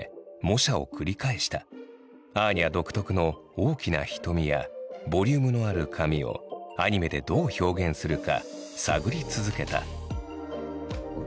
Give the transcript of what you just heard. アーニャ独特の大きな瞳やボリュームのある髪をアニメでどう表現するか探り続けた。